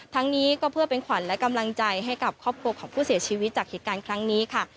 ทั้งนี้ก็เพื่อเป็นขวัญและกำลังใจให้กับครอบครัวของผู้เสียชีวิตจากเหตุการณ์ครั้งนี้ค่ะ